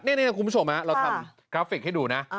นี่คุณผู้ชมเราทำกราฟิกให้ดูนะ